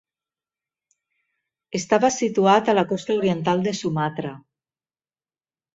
Estava situat a la costa oriental de Sumatra.